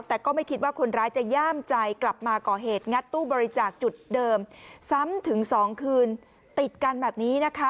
แต่ก็ไม่คิดว่าคนร้ายจะย่ามใจกลับมาก่อเหตุงัดตู้บริจาคจุดเดิมซ้ำถึง๒คืนติดกันแบบนี้นะคะ